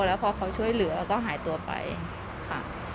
แล้วพอเขาช่วยเหลือก็หายตัวไปค่ะ